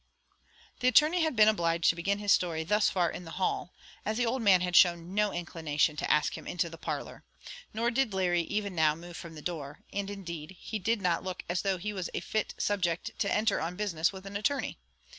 The attorney had been obliged to begin his story thus far in the hall as the old man had shown no inclination to ask him into the parlour: nor did Larry even now move from the door; and, indeed, he did not look as though he was a fit subject to enter on business with an attorney.